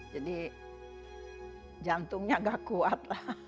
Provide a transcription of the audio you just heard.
jadi jantungnya gak kuat lah